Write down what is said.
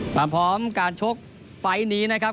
ความพร้อมการชกไฟล์นี้นะครับ